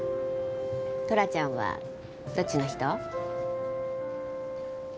トラちゃんはどっちの人？